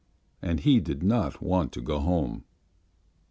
And he did not want to go home.